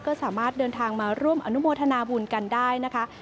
ก็สามารถเดินทางมาร่วมอนุโมทนาบุญกันได้นะคะ